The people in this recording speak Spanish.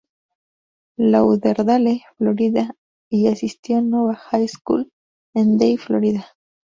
Lauderdale, Florida y asistió a Nova High School, en Davie, Florida.